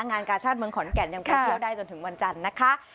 งานกาชาติเมืองขอนแก่นยังไปเที่ยวได้จนถึงวันจันทร์นะคะ